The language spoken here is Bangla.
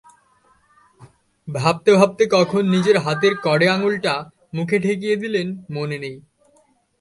ভাবতে ভাবতে কখন নিজের হাতের কড়ে আঙুলটা মুখে ঠেকিয়ে দিলেন মনে নেই।